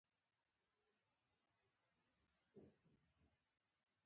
چيغو يې ټول کلی په سر واخيست.